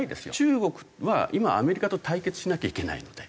中国は今アメリカと対決しなきゃいけないので。